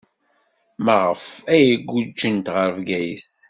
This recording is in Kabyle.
Maɣef ay guǧǧent ɣer Bgayet?